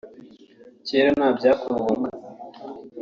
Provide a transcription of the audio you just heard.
kera nta byakorwaga